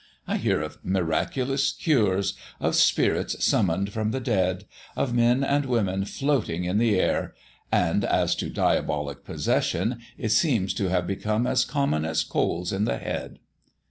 I hear of miraculous cures, of spirits summoned from the dead, of men and women floating in the air; and as to diabolic possession, it seems to have become as common as colds in the head."